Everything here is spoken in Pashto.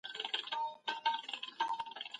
نبي کریم د عدالت بیلګه وه.